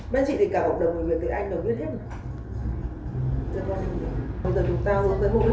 bên chị thì cả hợp đồng người việt tựa anh đều biết hết rồi